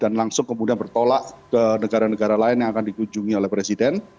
dan langsung kemudian bertolak ke negara negara lain yang akan dikunjungi oleh presiden